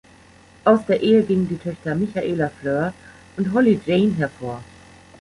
Aus der Ehe gingen die Töchter Michaela Fleur und Holly Jane hervor.